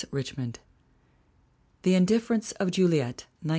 RICHMOND The Indifference of Juliet, 1905.